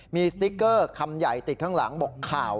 มีสติ๊กเกอร์คำใหญ่ติดข้างหลังบอกข่าว